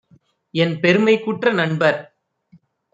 என்பெருமைக்குற்ற நண்பர்!